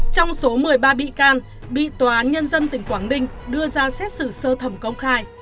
trong số một mươi ba bị can bị tòa án nhân dân tỉnh quảng ninh đưa ra xét xử sơ thẩm công khai